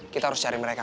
kita harus cari mereka